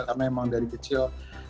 karena emang dari kecil